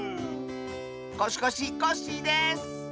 コシコシコッシーです！